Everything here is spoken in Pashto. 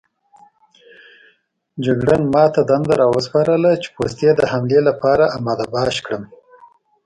جګړن ما ته دنده راوسپارله چې پوستې د حملې لپاره اماده باش کړم.